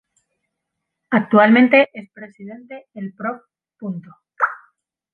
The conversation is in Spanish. Actualmente es Presidente el prof.